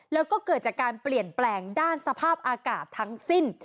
แล้วก็เกิดจากการเปลี่ยนแปลงด้านสภาพอากาศทั้งสิ้น